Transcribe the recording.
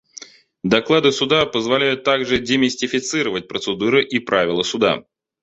Доклады Суда позволяют также демистифицировать процедуры и правила Суда.